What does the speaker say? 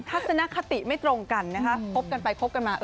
ทัศนคติไม่ตรงกันนะคะ